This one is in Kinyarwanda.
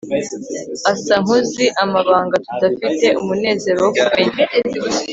asa nkuzi amabanga tudafite umunezero wo kumenya